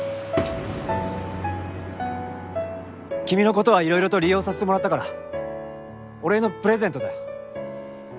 君の事はいろいろと利用させてもらったからお礼のプレゼントだよ。